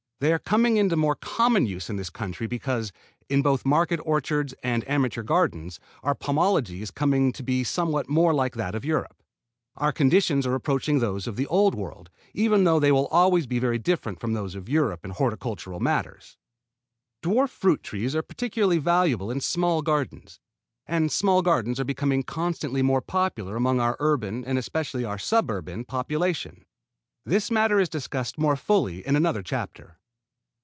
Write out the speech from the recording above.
They are coming into more common use in this country because, in both market orchards and amateur gardens, our pomology is coming to be somewhat more like that of Europe. Our conditions are approaching those of the Old World, even though they will always be very different from those of Europe in horticultural matters. Dwarf fruit trees are particularly valuable in small gardens; and small gardens are becoming constantly more popular among our urban, and especially our suburban, population. This matter is discussed more fully in another chapter.